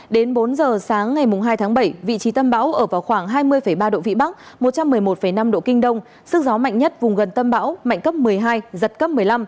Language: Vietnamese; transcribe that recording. đến bốn giờ sáng ngày hai tháng bảy vị trí tâm bão ở vào khoảng hai mươi ba độ vĩ bắc một trăm một mươi một năm độ kinh đông sức gió mạnh nhất vùng gần tâm bão mạnh cấp một mươi hai giật cấp một mươi năm